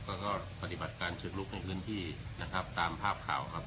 ก็ก็ปฏิบัติการเชิงลุกในพื้นที่นะครับตามภาพข่าวครับ